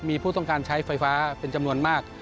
มีผู้ต้องการใช้ไฟฟ้าเป็นจำนวนมาก